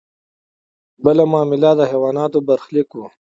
بله معامله د حیواناتو برخلیک و.